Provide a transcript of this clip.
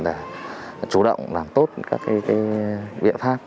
để chủ động làm tốt các biện pháp